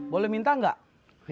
boleh minta enggak